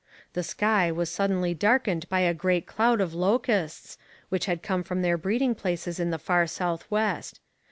The sky was suddenly darkened by a great cloud of locusts, which had come from their breeding places in the far south west.